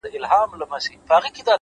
د فکر ژورتیا د انسان لوړوالی ښيي،